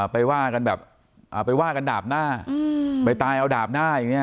ไปว่ากันแบบไปว่ากันดาบหน้าไปตายเอาดาบหน้าอย่างนี้